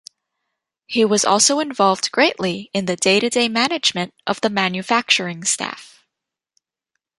He was also involved greatly in the day-to-day management of the manufacturing staff.